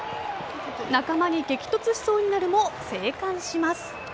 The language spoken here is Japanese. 仲間に激突しそうになるも生還します。